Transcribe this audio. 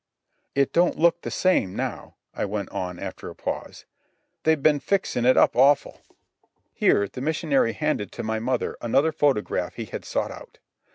"It don't look the same now," I went on after a pause. "They've ben fixin' it up awful." Here the missionary handed to my mother another photograph he had sought out.